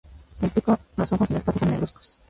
El pico, los ojos y las patas son negruzcos.